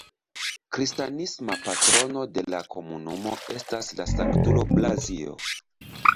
Kristanisma patrono de la komunumo estas la sanktulo Blazio.